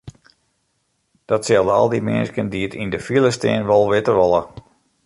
Dat sille al dy minsken dy't yn de file stean wol witte wolle.